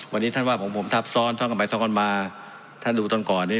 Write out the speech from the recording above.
วันนี้ท่านว่าของผมทับซ้อนซ่อนกันไปซ้อนกันมาท่านดูตอนก่อนนี้